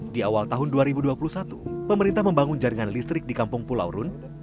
di awal tahun dua ribu dua puluh satu pemerintah membangun jaringan listrik di kampung pulau run